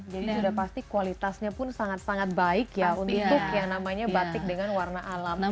jadi sudah pasti kualitasnya pun sangat sangat baik ya untuk yang namanya batik dengan warna alam